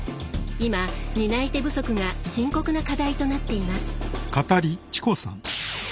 今担い手不足が深刻な課題となっています。